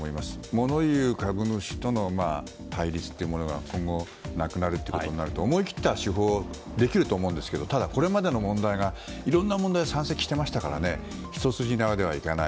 物言う株主との対立というものが今後なくなるということになると思い切った手法ができると思うんですがただ、これまでいろいろな問題が山積していましたから一筋縄ではいかない。